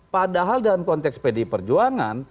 padahal dalam konteks pdi perjuangan